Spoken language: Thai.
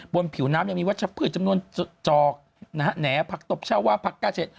ผิวน้ำยังมีวัชพืชจำนวนจอกนะฮะแหน่ผักตบชาวาผักกาเช็ด